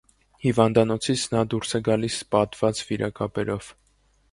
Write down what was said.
Հիվանդանոցից նա դուրս է գալիս պատված վիրակապերով։